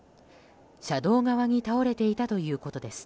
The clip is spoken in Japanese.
車道側に倒れていたということです。